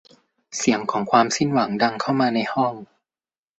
เสียงของความสิ้นหวังดังเข้ามาในห้อง